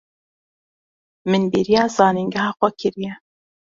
Min bêriya zanîngeha xwe kiriye.